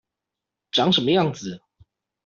長什麼樣子